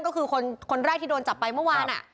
ก็คือคนแรกที่โดนจับไปเมื่อวาน